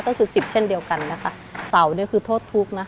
ก็คือสิบเช่นเดียวกันนะคะเสาเนี่ยคือโทษทุกข์นะคะ